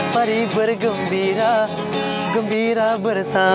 mari bergembira gembira bersama